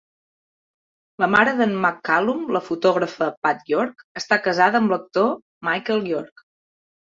La mare d'en McCallum, la fotògrafa Pat York, està casada amb l'actor Michael York.